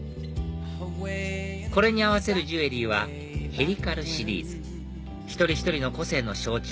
これに合わせるジュエリーはＨＥＬＩＣＡＬシリーズ一人一人の個性の象徴